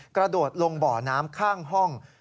กระโดดลงบ่อน้ำข้างห้อง